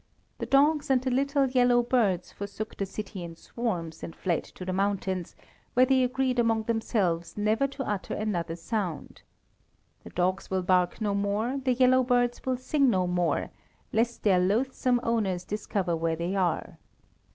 The dogs and the little yellow birds forsook the city in swarms, and fled to the mountains, where they agreed among themselves never to utter another sound. The dogs will bark no more, the yellow birds will sing no more, lest their loathsome owners discover where they are.